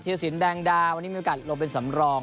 รสินแดงดาวันนี้มีโอกาสลงเป็นสำรอง